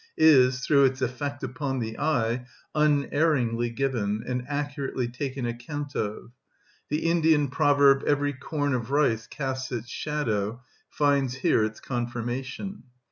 is, through its effect upon the eye, unerringly given and accurately taken account of: the Indian proverb, "Every corn of rice casts its shadow," finds here its confirmation.